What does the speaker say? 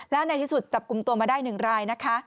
และในที่สุดจับกลุ่มตัวมาได้๑รายนะคะ